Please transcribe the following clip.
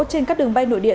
trên các đường bay nội địa